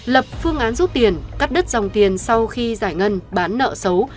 lập phương án rút tiền cắt đứt dòng tiền sau khi giải ngân bán nợ xấu